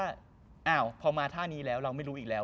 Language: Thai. อ้าวพอมาท่านี้แล้วเราไม่รู้อีกแล้ว